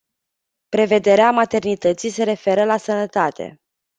Prevederea maternității se referă la sănătate.